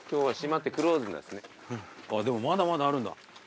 でもまだまだあるんだ。